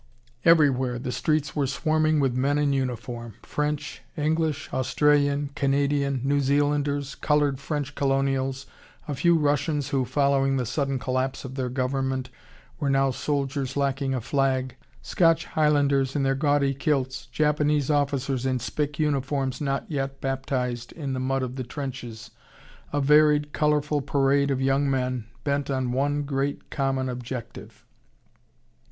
Everywhere the streets were swarming with men in uniform French, English, Australian, Canadian, New Zealanders, colored French Colonials, a few Russians who, following the sudden collapse of their government, were now soldiers lacking a flag, Scotch Highlanders in their gaudy kilts, Japanese officers in spick uniforms not yet baptized in the mud of the trenches a varied, colorful parade of young men bent on one great common objective.